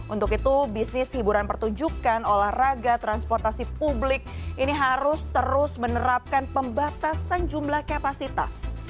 untuk itu bisnis hiburan pertunjukan olahraga transportasi publik ini harus terus menerapkan pembatasan jumlah kapasitas